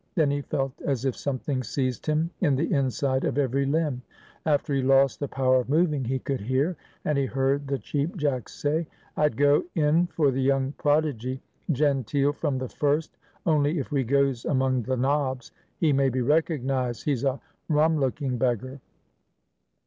Then he felt as if something seized him in the inside of every limb. After he lost the power of moving, he could hear, and he heard the Cheap Jack say, "I'd go in for the Young Prodigy; genteel from the first; only, if we goes among the nobs, he may be recognized. He's a rum looking beggar."